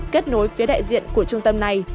kết nối phía đại diện của trung tâm này